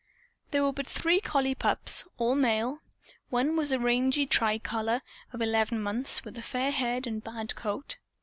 There were but three collie pups, all males. One was a rangy tri color of eleven months, with a fair head and a bad coat.